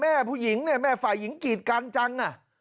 ผู้หญิงเนี่ยแม่ฝ่ายหญิงกีดกันจัง